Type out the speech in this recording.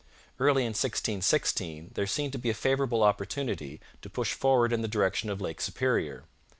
Early in 1616 there seemed to be a favourable opportunity to push forward in the direction of Lake Superior.